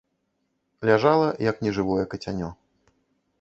Ляжала, як нежывое кацянё.